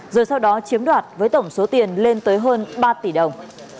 rồi sau đó chiếm đoạt với tổng số tiền lên tới hơn ba tỷ đồng